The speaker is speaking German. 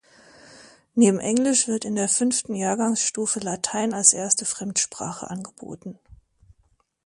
Neben Englisch wird in der fünften Jahrgangsstufe Latein als erste Fremdsprache angeboten.